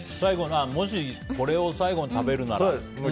もしこれを最後に食べるならっていう？